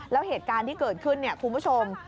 แล้วเหตุการณ์ที่เกิดขึ้นเนี่ยคุณผู้ชม